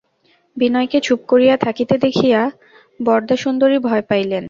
বিনয়কে চুপ করিয়া থাকিতে দেখিয়া বরদাসুন্দরী ভয় পাইলেন।